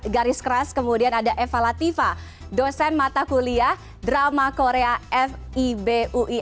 garis keras kemudian ada eva latifa dosen mata kuliah drama korea fibui